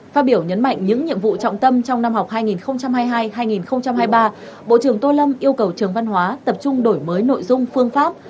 phát biểu nhấn mạnh những nhiệm vụ trọng tâm trong năm học hai nghìn hai mươi hai hai nghìn hai mươi ba bộ trưởng tô lâm yêu cầu trường văn hóa tập trung đổi mới nội dung phương pháp